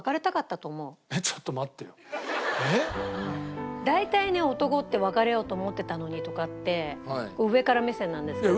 えっ？大体ね男って「別れようと思ってたのに」とかって上から目線なんですけど。